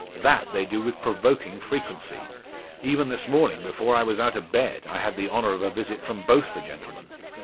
That they do with provoking frequency. Even this morning, before I was out of bed, I had the honour of a visit from both the gentlemen.